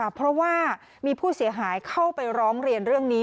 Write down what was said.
เพราะว่ามีผู้เสียหายเข้าไปร้องเรียนเรื่องนี้